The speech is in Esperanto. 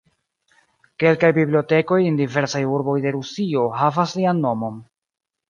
Kelkaj bibliotekoj en diversaj urboj de Rusio havas lian nomon.